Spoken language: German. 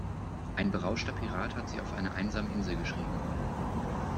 Ein berauschter Pirat hat sie auf einer einsamen Insel geschrieben.